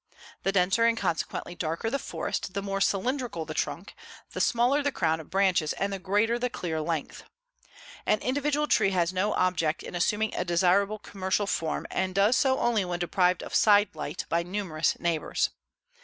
The denser and consequently darker the forest, the more cylindrical the trunk, the smaller the crown of branches and the greater the clear length. The individual tree has no object in assuming a desirable commercial form and does so only when deprived of side light by numerous neighbors.